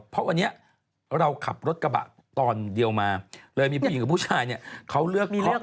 เพราะวันนี้เราขับรถกระบะตอนเดียวมาเลยมีผู้หญิงกับผู้ชายเนี่ยเขาเลือกเคาะ